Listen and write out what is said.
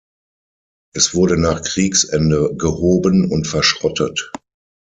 Es wurde nach Kriegsende gehoben und verschrottet.